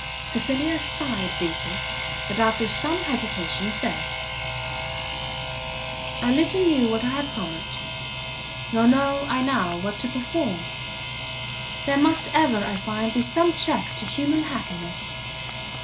Cecilia sighed deeply, but, after some hesitation, said, "I little knew what I had promised, nor know I now what to perform! there must ever, I find, be some check to human happiness!